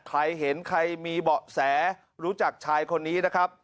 ใครเห็นใครมีเบาะแสรู้จักชายคนนี้นะครับ